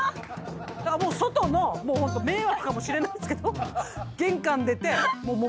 だからもう外のホント迷惑かもしれないですけど玄関出てもう目の前に置いとく。